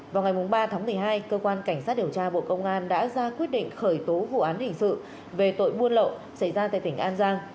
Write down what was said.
vào ngày ba tháng một mươi hai cơ quan cảnh sát điều tra bộ công an đã ra quyết định khởi tố vụ án hình sự về tội buôn lậu xảy ra tại tỉnh an giang